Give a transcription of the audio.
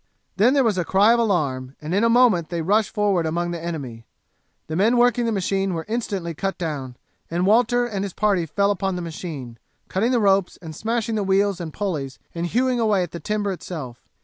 Then there was a cry of alarm, and in a moment they rushed forward among the enemy. The men working the machine were instantly cut down, and Walter and his party fell upon the machine, cutting the ropes and smashing the wheels and pulleys and hewing away at the timber itself.